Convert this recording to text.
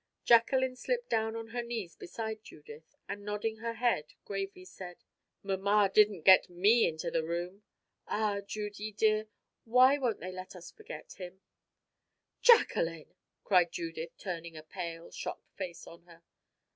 Jacqueline slipped down on her knees beside Judith, and, nodding her head, gravely said: "Mamma didn't get me into the room. Ah, Judy, dear, why won't they let us forget him " "Jacqueline!" cried Judith, turning a pale, shocked face on her.